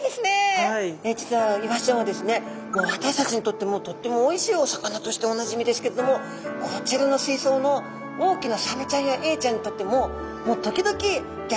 もう私たちにとってもとってもおいしいお魚としておなじみですけれどもこちらの水槽の大きなサメちゃんやエイちゃんにとってももう時々ギョちそうだ！